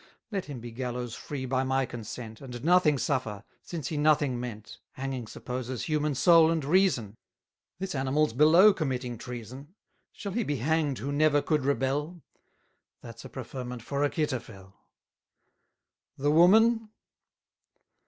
430 Let him be gallows free by my consent, And nothing suffer, since he nothing meant. Hanging supposes human soul and reason This animal's below committing treason: Shall he be hang'd who never could rebel? That's a preferment for Achitophel. The woman.......